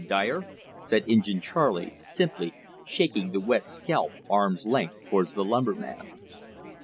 "Dyer!" said Injin Charley, simply, shaking the wet scalp arm's length towards the lumbermen.